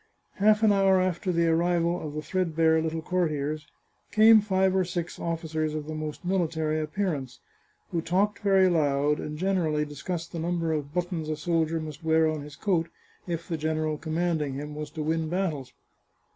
Half an hour after the arrival of the threadbare little courtiers, came five or six officers of the most military ap pearance, who talked very loud, and generally discussed the number of buttons a soldier must wear on his coat if the general commanding him was to win battles.